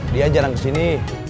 dia jarang kesini